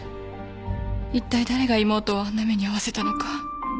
いったい誰が妹をあんな目に遭わせたのか？